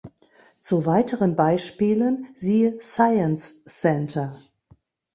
Zu weiteren Beispielen siehe Science Center.